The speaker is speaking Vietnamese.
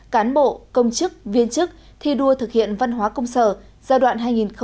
cán bộ công chức viên chức thi đua thực hiện văn hóa công sở giai đoạn hai nghìn một mươi chín hai nghìn hai mươi năm